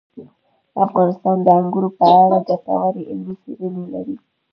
افغانستان د انګورو په اړه ګټورې علمي څېړنې لري.